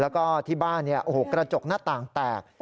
แล้วก็ที่บ้านเนี่ยโอ้โหกระจกหน้าต่างแตก